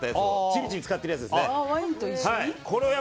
ちびちび使ってるやつですね。